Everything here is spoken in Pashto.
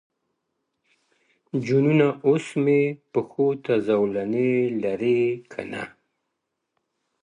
o جنونه اوس مي پښو ته زولنې لرې که نه,